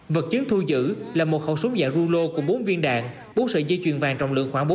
vật chứng thu giữ là một khẩu súng dạng rulo cùng bốn viên đạn bốn sợi dây chuyền vàng trọng lượng khoảng